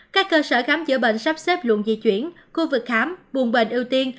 các cơ sở khám chữa bệnh sắp xếp luận di chuyển khu vực khám buồn bệnh ưu tiên